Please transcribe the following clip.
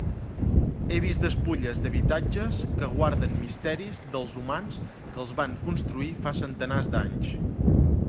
He vist despulles d'habitatges que guarden misteris dels humans que els van construir fa centenars d'anys.